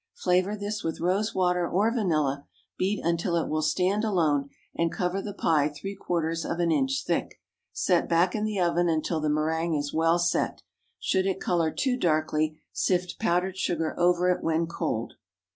Flavor this with rose water or vanilla; beat until it will stand alone, and cover the pie three quarters of an inch thick. Set back in the oven until the méringue is well "set." Should it color too darkly, sift powdered sugar over it when cold.